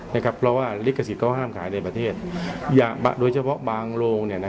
นะครับเพราะว่าลิขสิทธิ์เขาห้ามขายในประเทศอย่าโดยเฉพาะบางโรงเนี้ยนะ